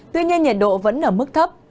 tuy nhiên nhiệt độ vẫn ở mức thấp